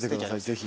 ぜひ。